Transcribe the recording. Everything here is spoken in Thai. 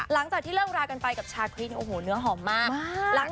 หลังจากที่เลิกรากันไปกับชาคริสโอ้โหเนื้อหอมมาก